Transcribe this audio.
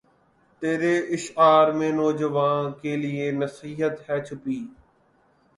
تیرے اشعار میں نوجواں کے لیے نصیحت ھے چھپی